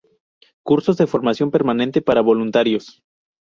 Cursos de formación permanente para voluntarios.